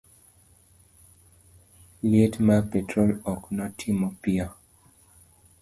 liet mar petrol ok notimo piyo